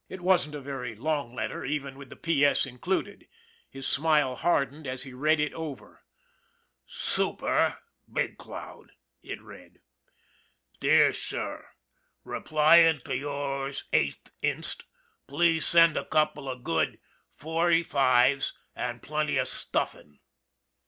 It wasn't a very long letter even with the P. S. included. His smile hardened as he read it over. " Supt., Big Cloud," it ran. " Dear Sir : Replying to yours 8th inst, please send a couple of good .455, and plenty of stuffing.